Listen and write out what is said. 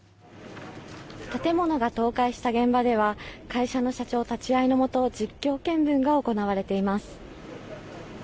建物が倒壊した現場では会社の社長立ち合いのもと実況見分が行われています。